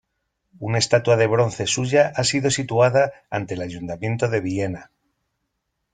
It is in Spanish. Una estatua de bronce suya ha sido situada ante el Ayuntamiento de Viena.